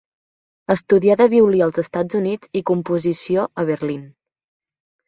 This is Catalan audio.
Estudià de violí als Estats Units i composició a Berlín.